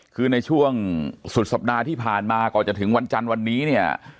คือในช่วงสุดสัปดาห์ที่ผ่านมาก่อนจะถึงวันจันทร์วันนี้เนี่ย